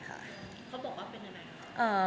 เขาบอกว่าเป็นอะไรคะ